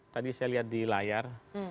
tadi saya lihat di layar